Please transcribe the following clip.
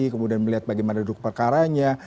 kemudian melihat bagaimana dulu keperkaranya